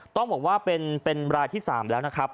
ต้องบอกว่าเป็นรายที่๓แล้วนะครับ